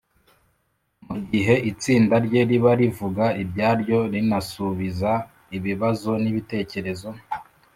Mu gihe itsinda rye riba rivuga ibyaryo rinasubiza ibibazo n ibitekerezo